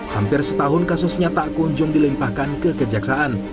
hampir setahun kasusnya tak kunjung dilimpahkan ke kejaksaan